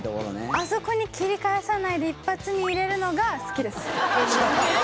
あそこに切り返さないで一発に入れるのが好きです。